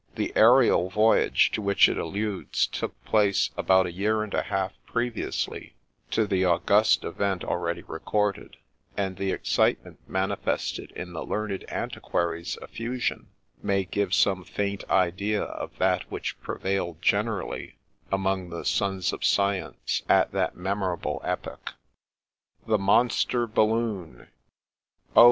The aerial voyage to which it alludes took place about a year and a half previously to the august event already recorded, and the excitement manifested in the learned Antiquary's effusion may give some faint idea of that which prevailed generally among the Sons of Science at that memorable epoch. 179 THE 'MONSTRE' BALLOON OH